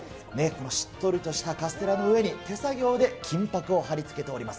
しっとりとしたカステラの上に、手作業で金ぱくを貼りつけております。